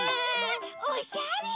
おしゃれ！